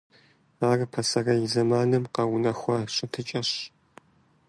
Ар пасэрей зэманым къэунэхуа щытыкӀэщ.